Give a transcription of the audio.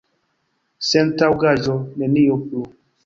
Sentaŭgaĵo, nenio plu!